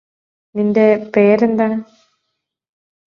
നിന്റെ പേര് എന്താണ്